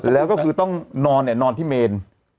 แล้วก็คือต้องนอนเนี่ย